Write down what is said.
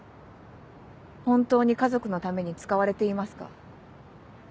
本当に家族のために使われていますか？